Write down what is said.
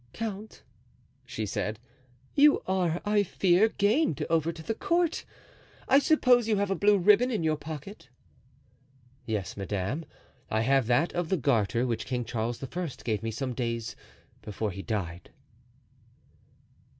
"Count," she said, "you are, I fear, gained over to the court. I suppose you have a blue ribbon in your pocket?" "Yes, madame; I have that of the Garter, which King Charles I. gave me some days before he died."